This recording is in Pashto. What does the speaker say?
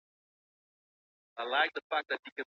دا خاوند ته د طلاق د واک پر مشروعيت باندي کافي قرينې دي.